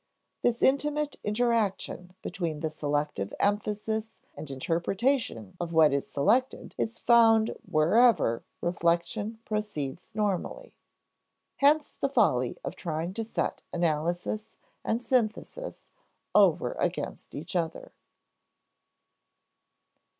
This intimate interaction between selective emphasis and interpretation of what is selected is found wherever reflection proceeds normally. Hence the folly of trying to set analysis and synthesis over against each other.